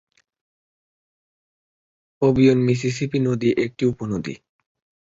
Obion Mississippi নদীর একটি উপনদী।